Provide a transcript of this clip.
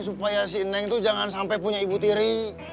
supaya si neng itu jangan sampai punya ibu tiri